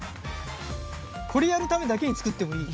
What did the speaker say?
これやるためだけに作ってもいい。